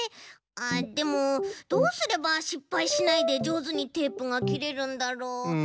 あでもどうすればしっぱいしないでじょうずにテープがきれるんだろう。